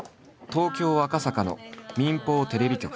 東京赤坂の民放テレビ局。